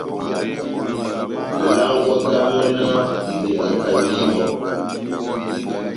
Langwaka mɔ́ náh ivengakandi mɔ́.